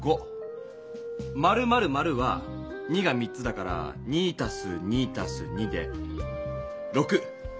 ○○○は２が３つだから２＋２＋２で６。